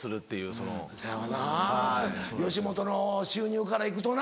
そやわな吉本の収入から行くとな。